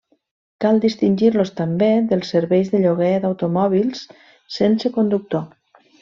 Cal distingir-los també dels serveis de lloguer d'automòbils sense conductor.